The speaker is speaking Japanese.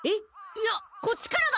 いやこっちからだ！